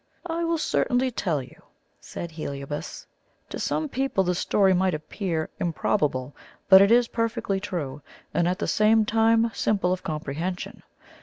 "I will certainly tell you," replied Heliobas. "To some people the story might appear improbable, but it is perfectly true and at the same time simple of comprehension.